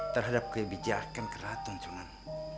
terhadap kebijakan keraton sunan